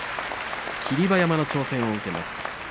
霧馬山の挑戦を受けます。